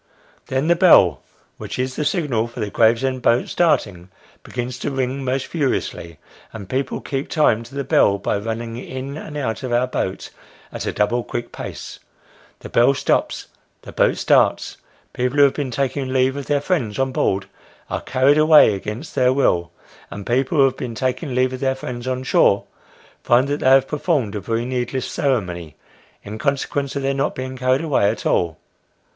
Then the bell, which is the signal for the Gravesend boat starting, begins to ring most furiously : and people keep time to the bell, by running in and out of our boat at a double quick pace. The bell stops ; the boat starts : people who have been taking leave of their friends on board, are carried away against their will ; and people who have been taking leave of their friends on shore, find that they have performed a very needless ceremony, in consequence of their not being carried away at all.